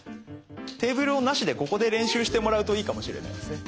テーブルをなしでここで練習してもらうといいかもしれないですね。